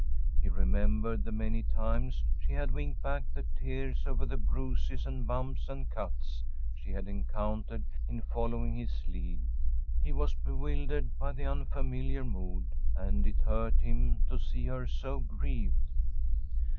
He remembered the many times she had winked back the tears over the bruises and bumps and cuts she had encountered in following his lead. He was bewildered by the unfamiliar mood, and it hurt him to see her so grieved.